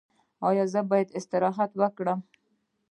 ایا زه باید استراحت وکړم؟